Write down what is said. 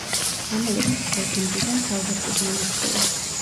ამავე წლის დეკემბრიდან თავდაცვის მინისტრია.